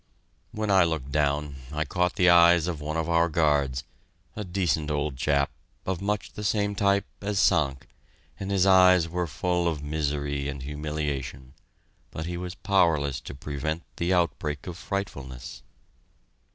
When I looked down, I caught the eyes of one of our guards, a decent old chap, of much the same type as Sank, and his eyes were full of misery and humiliation, but he was powerless to prevent the outbreak of frightfulness.